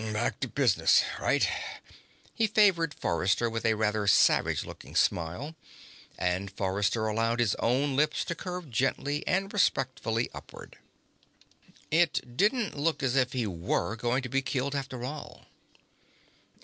"Back to business right?" He favored Forrester with a rather savage looking smile, and Forrester allowed his own lips to curve gently and respectfully upward. It didn't look as if he were going to be killed, after all.